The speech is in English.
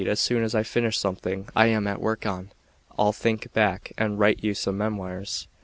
As soon as I finish something I am at work on, I'll "think back", and write you some memoirs.